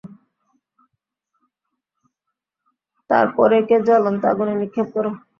তারপর একে জ্বলন্ত আগুনে নিক্ষেপ কর।